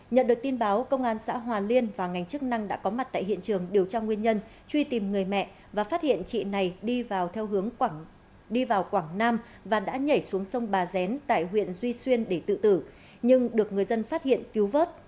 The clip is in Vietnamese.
nhận được tin báo công an xã hòa liên và ngành chức năng đã có mặt tại hiện trường điều tra nguyên nhân truy tìm người mẹ và phát hiện chị này đi vào theo hướng đi vào quảng nam và đã nhảy xuống sông bà rén tại huyện duy xuyên để tự tử nhưng được người dân phát hiện cứu vớt